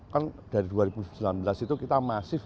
kan dari dua ribu sembilan belas itu kita masif